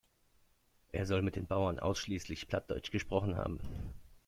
Er soll mit den Bauern ausschließlich Plattdeutsch gesprochen haben.